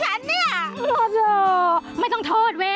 เหอะโอ๊ยนี่นี่มึงถือ